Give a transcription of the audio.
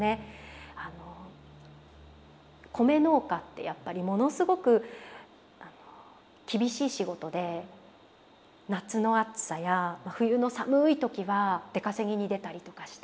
米農家ってやっぱりものすごく厳しい仕事で夏の暑さや冬の寒い時は出稼ぎに出たりとかして。